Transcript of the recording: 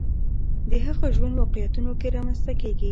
د هغه ژوند واقعیتونو کې رامنځته کېږي